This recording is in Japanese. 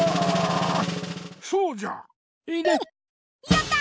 やった！